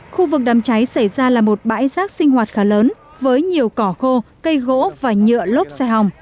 khu vực đám cháy xảy ra là một bãi rác sinh hoạt khá lớn với nhiều cỏ khô cây gỗ và nhựa lốp xe hồng